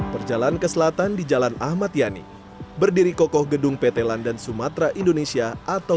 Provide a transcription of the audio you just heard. perjalanan ke selatan di jalan ahmad yani berdiri kokoh gedung pt london sumatera indonesia atau